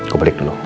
gue balik dulu